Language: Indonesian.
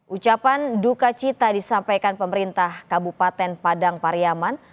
ucapan duka cita disampaikan pemerintah kabupaten padang pariaman